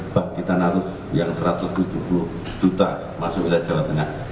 bab kita naruh yang satu ratus tujuh puluh juta masuk wilayah jawa tengah